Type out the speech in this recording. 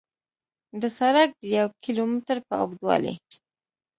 د سړک د یو کیلو متر په اوږدوالي